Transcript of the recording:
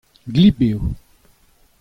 gleb eo.